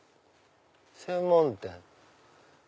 「専門店」。